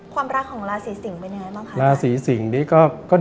ความรักของร้านสีสิงฯเป็นยังไงบ้างครับ